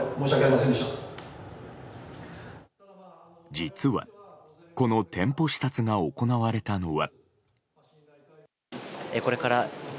実は、この店舗視察が行われたのは。